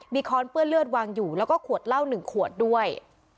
มีค้อนเปื้อนเลือดวางอยู่แล้วก็ขวดเหล้า๑ขวดด้วย